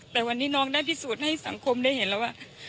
แต่วันนี้น้องได้พิสูจน์ให้สังคมได้เห็นแล้วว่า